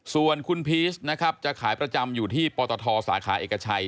ส่วนคุณพีชนะครับจะขายประจำอยู่ที่ปตทสาขาเอกชัย